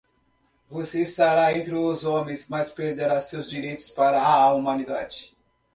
Você estará entre os homens, mas perderá seus direitos para a humanidade.